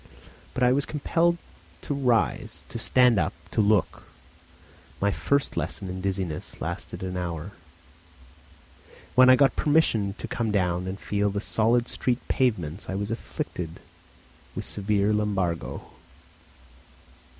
But I was compelled to rise, to stand up, to look. My first lesson in dizziness lasted an hour. When I got permission to come down and feel the solid street pavements I was afflicted with severe lumbago.